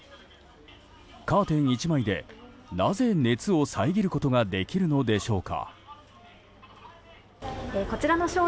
カーテン１枚で、なぜ熱を遮ることができるのでしょうか。